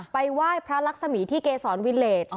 ไปไหว้พระลักษมีที่เกษรวิเลส